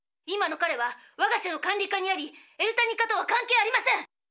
今の彼はわが社の管理下にありエルタニカとは関係ありません！